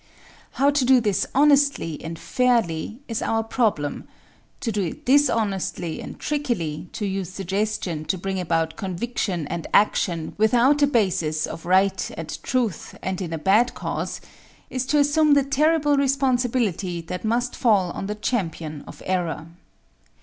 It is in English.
How to do this honestly and fairly is our problem to do it dishonestly and trickily, to use suggestion to bring about conviction and action without a basis of right and truth and in a bad cause, is to assume the terrible responsibility that must fall on the champion of error.